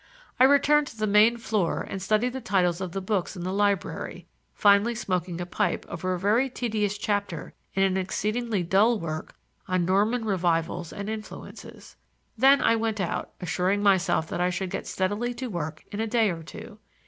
I returned to the main floor and studied the titles of the books in the library, finally smoking a pipe over a very tedious chapter in an exceedingly dull work on Norman Revivals and Influences. Then I went out, assuring myself that I should get steadily to work in a day or two.